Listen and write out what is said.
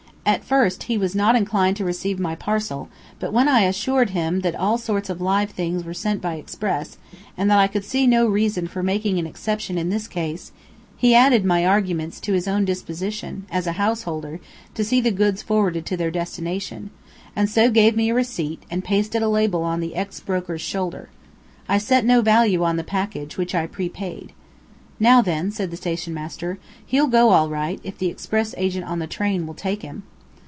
At first he was not inclined to receive my parcel, but when I assured him that all sorts of live things were sent by express, and that I could see no reason for making an exception in this case, he added my arguments to his own disposition, as a house holder, to see the goods forwarded to their destination, and so gave me a receipt, and pasted a label on the ex broker's shoulder. I set no value on the package, which I prepaid. "Now then," said the station master, "he'll go all right, if the express agent on the train will take him."